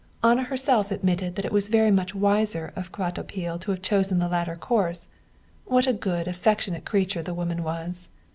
"Anna herself admitted that it was very much wiser of Kvatopil to have chosen the latter course. What a good, affectionate creature the woman was!